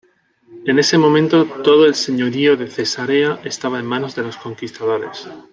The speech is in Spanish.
En ese momento, todo el señorío de Cesarea estaba en manos de los conquistadores.